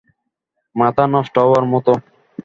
মাথা নষ্ট হওয়ার মতো!